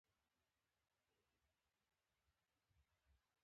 ټول یوه ترانه وایی یو سرود به یې په خوله وي